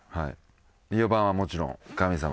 ４番はもちろん神様。